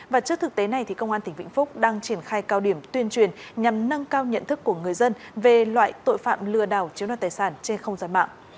và trước thực tế này công an tỉnh vĩnh phúc đang triển khai cao điểm tuyên truyền nhằm nâng cao nhận thức của người dân về loại tội phạm lừa đảo chiếu đoạt tài sản trên không gian mạng